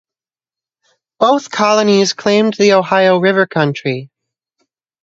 Both colonies claimed the Ohio River country.